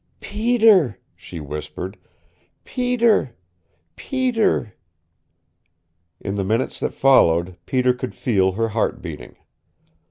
"Peter!" she whispered. "Peter Peter " In the minutes that followed, Peter could feel her heart beating.